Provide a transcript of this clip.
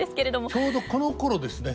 ちょうどこのころですね。